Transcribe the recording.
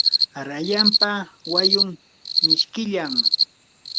rayanpa wayun mishkillam.